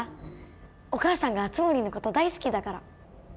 お母さんが熱護のこと大好きだから。